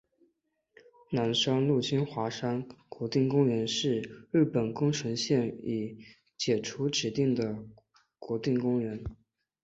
南三陆金华山国定公园是日本宫城县已解除指定的国定公园。